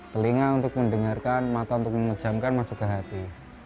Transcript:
telinga untuk mendengarkan mata untuk mengejamkan masuk ke hati